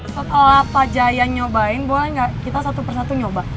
setelah pak jaya nyobain boleh nggak kita satu persatu nyoba